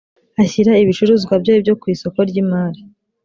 ashyira ibicuruzwa bye byo ku isoko ry imari